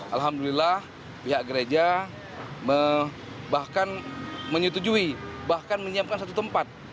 alhamdulillah pihak gereja bahkan menyetujui bahkan menyiapkan satu tempat